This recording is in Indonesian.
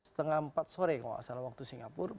setengah empat sore kalau tidak salah waktu singapura